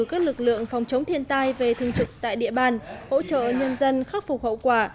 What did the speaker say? các lực lượng phòng chống thiên tai về thương trực tại địa bàn hỗ trợ nhân dân khắc phục hậu quả